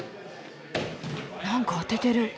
なんか当ててる。